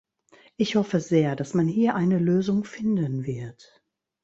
Ich hoffe sehr, dass man hier eine Lösung finden wird.